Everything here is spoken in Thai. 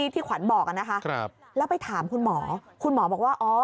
ที่ขวัญบอกนะคะแล้วไปถามคุณหมอคุณหมอบอกว่าอ๋อ